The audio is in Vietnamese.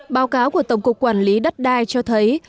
báo cáo của tổng cục quản lý đất đai cho thấy